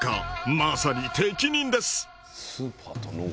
まさに適任です。